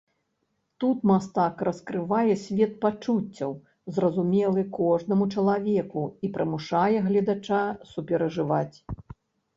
Тут мастак раскрывае свет пачуццяў, зразумелы кожнаму чалавеку, і прымушае гледача суперажываць.